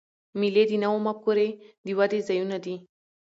مېلې د نوو مفکورې د ودي ځایونه دي.